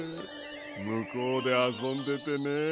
むこうであそんでてね。